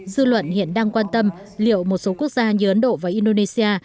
dư luận hiện đang quan tâm liệu một số quốc gia như ấn độ và indonesia